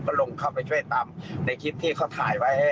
ก็ลงเข้าไปช่วยตามในคลิปที่เขาถ่ายไว้